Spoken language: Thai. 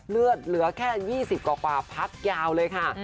เหลือแค่๒๐กว่าพักยาวเลยค่ะ